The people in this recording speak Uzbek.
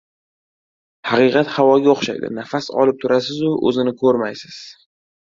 Haqiqat havoga o‘xshaydi. Nafas olib turasizu o‘zini ko‘rmay- siz.